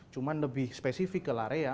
cuma lebih spesifik ke larea